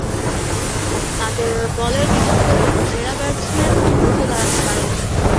তাদের বলের বিপক্ষে কোন সেরা ব্যাটসম্যান রুখে দাঁড়াতে পারেননি।